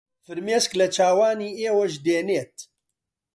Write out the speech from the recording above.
فرمێسک لە چاوانی ئێوەش دێنێت